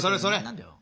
何だよ。